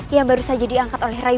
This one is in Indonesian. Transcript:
yang baru saja diangkat oleh rai